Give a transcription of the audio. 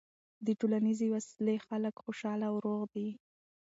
د ټولنیزې وصلۍ خلک خوشحاله او روغ دي.